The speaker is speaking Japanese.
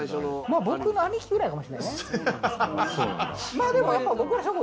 僕の兄貴くらいかもしれないね。